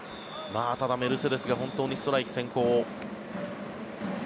ただ、メルセデスが本当にストライク先行。